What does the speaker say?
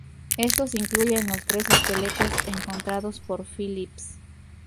Estos incluyen los tres esqueletos encontrados por Phillips.